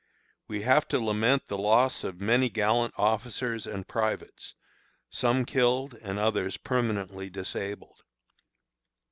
We have to lament the loss of many gallant officers and privates, some killed and others permanently disabled.